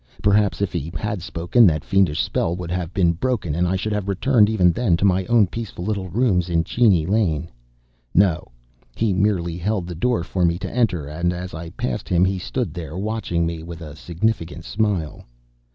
Perhaps, if he had spoken, that fiendish spell would have been broken, and I should have returned, even then, to my own peaceful little rooms in Cheney Lane. No he merely held the door for me to enter, and as I passed him he stood there, watching me with a significant smile.